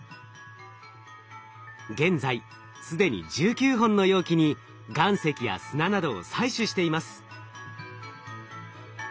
現在既に１９本の容器に岩石や砂などを採取しています。